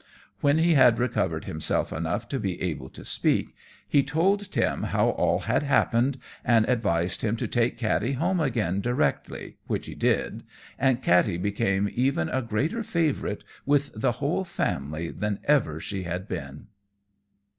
When he had recovered himself enough to be able to speak, he told Tim how all had happened, and advised him to take Katty home again directly, which he did, and Katty became even a greater favourite with the whole family than ever she had been.